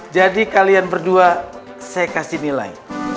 jadi kalian berdua saya kasih nilai